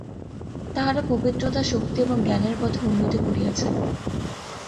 তাহারা পবিত্রতা, শক্তি এবং জ্ঞানের পথে উন্নতি করিয়াছে।